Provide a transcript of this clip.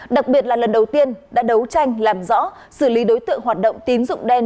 đặc biệt là lần đầu tiên đã đấu tranh làm rõ xử lý đối tượng hoạt động tín dụng đen